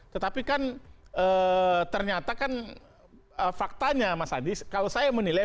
tetapi kan ternyata kan faktanya mas adi kalau saya menilai